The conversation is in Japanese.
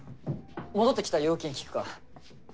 戻ってきたら要件聞くから。